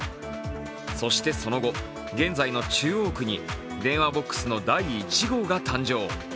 そして、その後、現在の中央区に電話ボックスの第１号が登場。